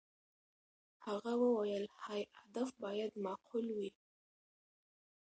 هغه وویل، هدف باید معقول وي.